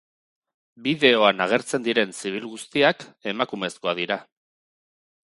Bideoan agertzen diren zibil guztiak emakumezkoak dira.